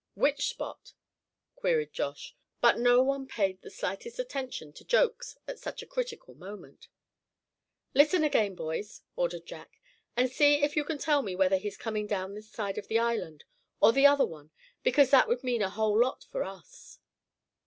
"Which spot?" queried Josh; but no one paid the slightest attention to jokes at such a critical moment. "Listen again, boys," ordered Jack, "and see if you can tell whether he's coming down this side of the island, or the other one; because that would mean a whole lot for us."